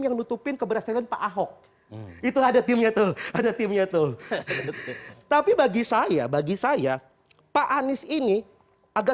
yang nutupin keberhasilan pak ahok itu ada timnya tuh ada timnya tuh tapi bagi saya bagi saya pak anies ini agak